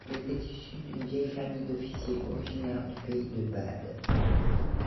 Il était issu d'une vieille famille d'officiers originaire du pays de Bade.